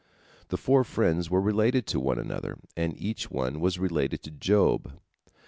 The four friends were related to one another, and each one was related to Job.